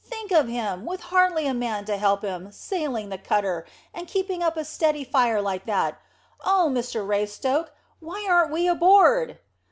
"Think of him, with hardly a man to help him, sailing the cutter, and keeping up a steady fire like that. Oh, Mr Raystoke, why aren't we aboard?"